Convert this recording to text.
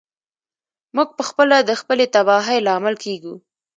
موږ پخپله د خپلې تباهۍ لامل کیږو.